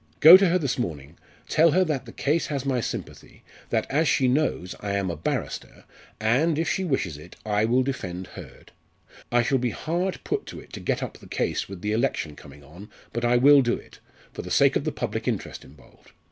Go to her this morning tell her that the case has my sympathy that, as she knows, I am a barrister, and, if she wishes it, I will defend Hurd. I shall be hard put to it to get up the case with the election coming on, but I will do it for the sake of the public interest involved.